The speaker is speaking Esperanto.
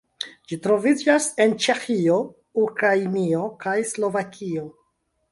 Ĝi troviĝas en Ĉeĥio, Ukrainio, kaj Slovakio.